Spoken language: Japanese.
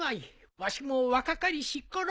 わしも若かりしころ。